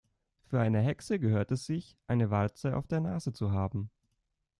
Für eine Hexe gehört es sich, eine Warze auf der Nase zu haben.